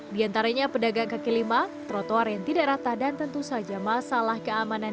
di antaranya pedagang kaki lima trotoar yang tidak rata dan tentu saja masalah keamanan